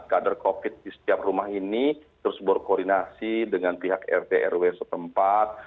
kader covid di setiap rumah ini terus berkoordinasi dengan pihak rt rw setempat